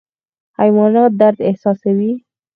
حیوانات درد احساسوي